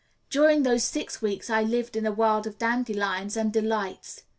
During those six weeks I lived in a world of dandelions and delights.